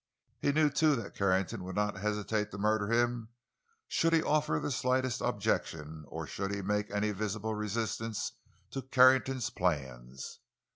He knew, too, that Carrington would not hesitate to murder him should he offer the slightest objection, or should he make any visible resistance to Carrington's plans.